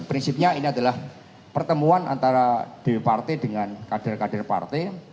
prinsipnya ini adalah pertemuan antara dp partai dengan kader kader partai